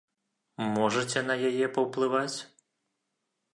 Можаце на яе паўплываць?